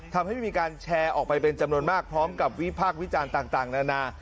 ทำให้มีการแชร์ออกไปเป็นจำนวนมากพร้อมกับวิพากษ์วิจารณ์ต่างนานา